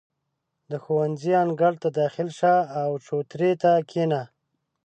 • د ښوونځي انګړ ته داخل شه، او چوترې ته کښېنه.